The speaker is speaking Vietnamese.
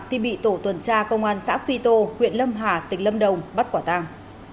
thì bị tổ tuần tra công an xã phi tô huyện lâm hà tỉnh lâm đồng bắt quả tàng